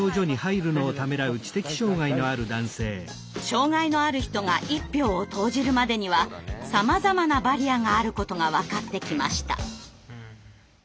障害のある人が一票を投じるまでにはさまざまなバリアがあることが分かってきました。